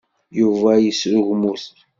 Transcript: Yuba yesrugmut.